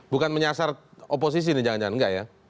bukan menyasar oposisi nih jangan jangan enggak ya